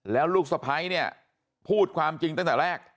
แล้วลูกสะพ้ายเนี่ยพูดความจริงตั้งแต่แรก